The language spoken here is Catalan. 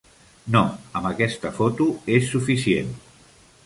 No, amb aquesta foto és suficient.